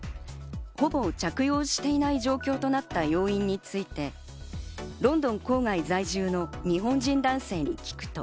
ほぼ着用していない状況となった要因について、ロンドン郊外在住の日本人男性に聞くと。